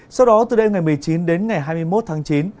sau đó từ đêm ngày một mươi chín đến ngày hai mươi một tháng chín